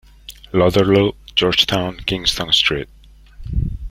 Lauderdale, George Town, Kingston, St.